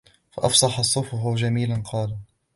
فَاصْفَحْ الصَّفْحَ الْجَمِيلَ قَالَ